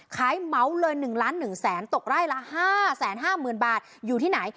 เมาส์เลย๑ล้าน๑แสนตกไร่ละ๕๕๐๐๐บาทอยู่ที่ไหน